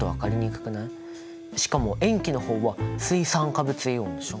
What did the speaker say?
しかも塩基の方は水酸化物イオンでしょ？